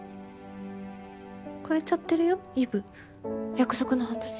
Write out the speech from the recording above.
越えちゃってるよイブ約束の半年。